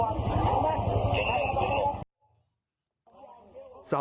แล้วให้เขาไหลกันหนึ่ง